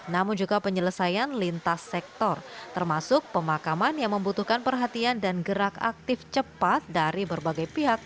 namun juga penyelesaian lintas sektor termasuk pemakaman yang membutuhkan perhatian dan gerak aktif cepat dari berbagai pihak